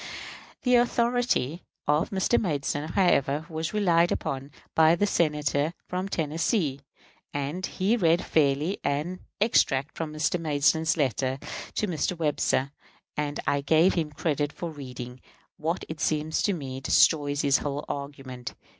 ] The authority of Mr. Madison, however, was relied on by the Senator from Tennessee; and he read fairly an extract from Mr. Madison's letter to Mr. Webster, and I give him credit for reading what it seems to me destroys his whole argument.